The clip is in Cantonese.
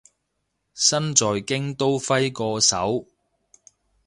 身在京都揮個手